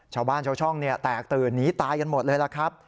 ชาวบ้านชาวช่องแตกตื่นหนีตายกันหมดเลยล่ะครับ